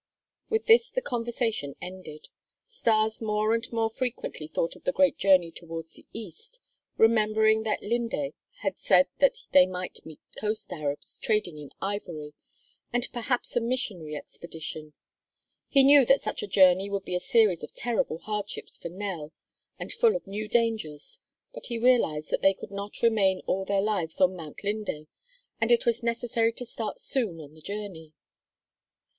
With this the conversation ended. Stas more and more frequently thought of the great journey towards the east, remembering that Linde had said that they might meet coast Arabs trading in ivory, and perhaps a missionary expedition. He knew that such a journey would be a series of terrible hardships for Nell and full of new dangers, but he realized that they could not remain all their lives on Mount Linde and it was necessary to start soon on the journey.